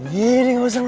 gini gak usah